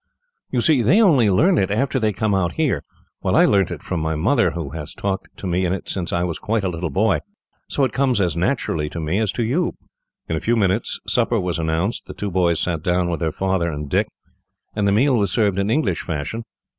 "You see, they only learn it after they come out here, while I learnt it from my mother, who has talked to me in it since I was quite a little boy; so it comes as naturally to me as to you." In a few minutes, supper was announced. The two boys sat down with their father and Dick, and the meal was served in English fashion.